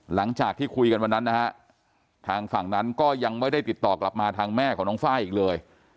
หลังจากที่คุยกันวันนั้นนะฮะทางฝั่งนั้นก็ยังไม่ได้ติดต่อกลับมาทางแม่ของน้องไฟล์อีกเลย